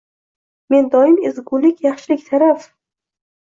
Men doim ezgulik yaxshilik taraf